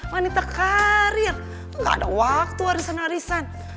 wanita karir gak ada waktu arisan arisan